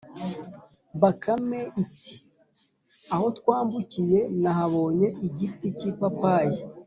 bakame iti: “aho twambukiye, nahabonye igiti k’ipapayi